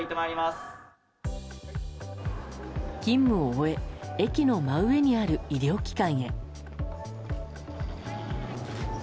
勤務を終え駅の真上にある医療機関へ。